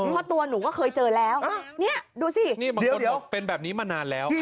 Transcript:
เพราะตัวหนูก็เคยเจอแล้วนี่ดูสิเดี๋ยวเป็นแบบนี้มานานแล้ว